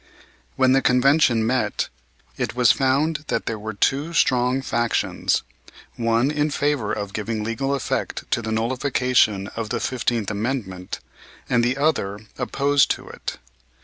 When the Convention met, it was found that there were two strong factions, one in favor of giving legal effect to the nullification of the Fifteenth Amendment, and the other opposed to it.